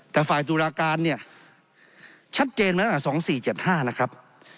แต่ฝ่ายตุลาการเนี่ยชัดเจนมาตั้งแต่๒๔๗๕นะครับ